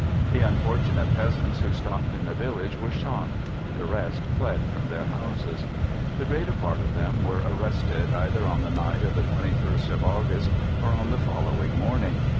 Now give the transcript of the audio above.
The unfortunate peasants who stopped in the village were shot; the rest fled from their houses. The greater part of them were arrested either on the night of the 21st of August or on the following morning.